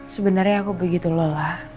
sebenarnya aku begitu lelah